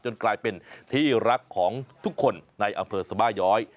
กลายเป็นที่รักของทุกคนในอำเภอสบาย้อย